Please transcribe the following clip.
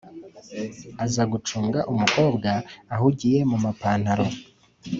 aza gucunga umukobwa ahugiye mu mapantaro